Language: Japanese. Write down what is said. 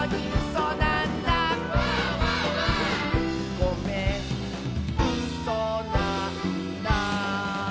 「ごめんうそなんだ」